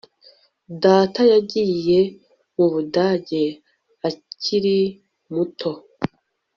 Data yagiye mu Budage akiri muto